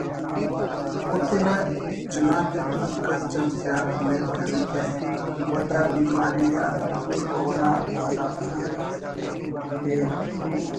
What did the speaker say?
او تینا چناتتون کچ آن زیات مہرکریکہ و دا بیماری آن گڈ اونا حساسیت پین